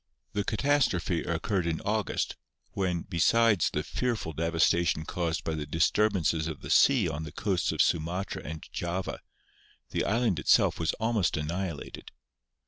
The catastro phe occurred in August, when, besides the fearful de vastation caused by the disturbances of the sea on the coasts of Sumatra and Java, the island itself was almost annihilated.